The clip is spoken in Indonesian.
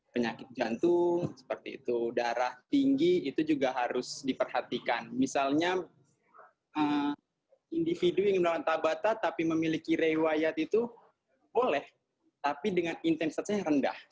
penyakit jantung seperti itu darah tinggi itu juga harus diperhatikan misalnya individu yang menawarkan tabata tapi memiliki rewayat itu boleh tapi dengan intensitasnya rendah